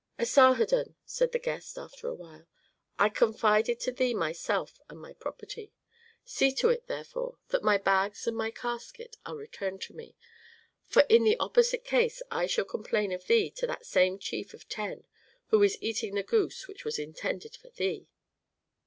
"Asarhadon," said the guest, after a while, "I confided to thee myself and my property. See to it, therefore, that my bags and my casket are returned to me, for in the opposite case I shall complain of thee to that same chief of ten who is eating the goose which was intended for thee."